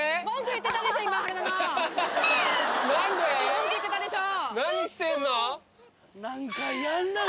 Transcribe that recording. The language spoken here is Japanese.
文句言ってたでしょ